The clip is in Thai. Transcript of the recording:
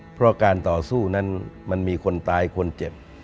เพราะการต่อสู้นั้นมันมีคนตายคนเจ็บ